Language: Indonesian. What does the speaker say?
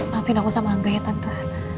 maafin aku sama angga ya tante